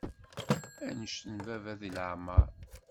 Annect n baba deg leεmer.